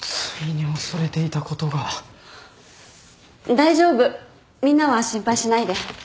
大丈夫みんなは心配しないで。